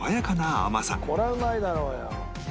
これはうまいだろうよ。